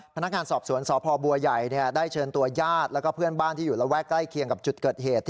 พนักงานสอบสวนสพบัวใหญ่ได้เชิญตัวญาติแล้วก็เพื่อนบ้านที่อยู่ระแวกใกล้เคียงกับจุดเกิดเหตุ